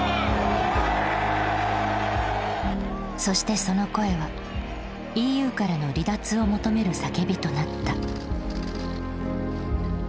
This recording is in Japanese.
そしてその声はＥＵからの離脱を求める叫びとなった。